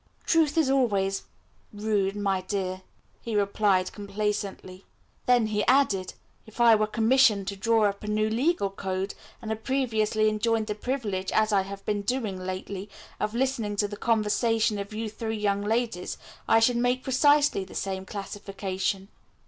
"Truth is always rude, my dear," he replied complacently. Then he added, "If I were commissioned to draw up a new legal code, and had previously enjoyed the privilege, as I have been doing lately, of listening to the conversation of you three young ladies, I should make precisely the same classification."